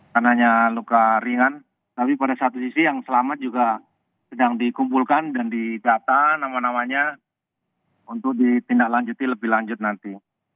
karenanya luka ringan tapi pada satu sisi yang selamat juga sedang dikumpulkan dan didata nama namanya untuk ditindaklanjuti lebih lanjut nanti